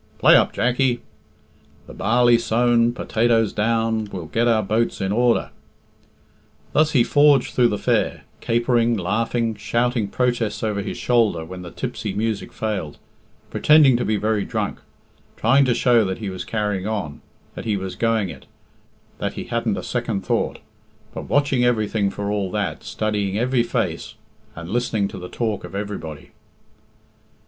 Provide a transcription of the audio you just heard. "Play up, Jackie." "The barley sown, Potatoes down, We'll get our boats in order." Thus he forged through the fair, capering, laughing, shouting protests over his shoulder when the tipsy music failed, pretending to be very drunk, trying to show that he was carrying on, that he was going it, that he hadn't a second thought, but watching everything for all that, studying every face, and listening to the talk of everybody.